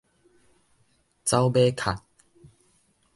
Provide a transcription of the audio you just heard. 走馬殼